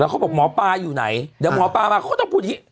เขาบอกหมอปลาอยู่ไหนเดี๋ยวหมอปลามาเขาก็ต้องพูดอย่างนี้